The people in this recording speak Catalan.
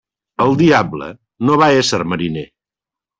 El diable no va esser mariner.